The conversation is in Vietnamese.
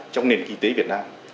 trong nền kinh tế việt nam